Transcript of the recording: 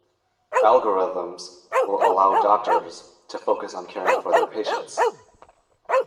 Algorithms will allow doctors to focus on caring for their patients.